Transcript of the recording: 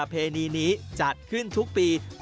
ซึ่งเป็นประเพณีที่มีหนึ่งเดียวในประเทศไทยและหนึ่งเดียวในโลก